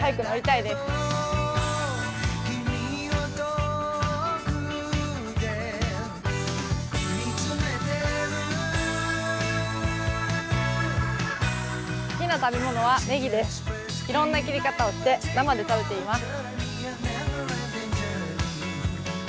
いろんな切り方をして生で食べています。